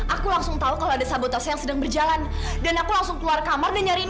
aku langsung tahu kalau ada sabotase yang sedang berjalan dan aku langsung keluar kamar dan nyari ini